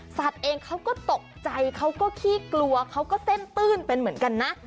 เองเขาก็ตกใจเขาก็ขี้กลัวเขาก็เส้นตื้นเป็นเหมือนกันนะ